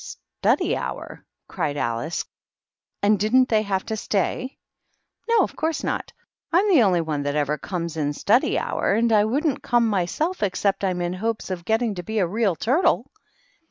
" Study hour !" cried Alice. " And didn't they have to stay?" "No; of course not. I'm the only one that ever comes in study hour, and I wouldn't come myself except I'm in hopes of getting to be a Real Turtle."